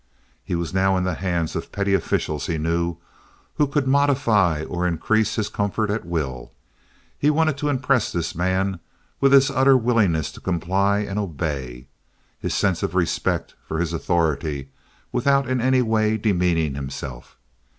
He was now in the hands of petty officials, he knew, who could modify or increase his comfort at will. He wanted to impress this man with his utter willingness to comply and obey—his sense of respect for his authority—without in any way demeaning himself.